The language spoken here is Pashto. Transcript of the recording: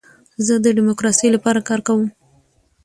زه د ډیموکراسۍ لپاره کار کوم.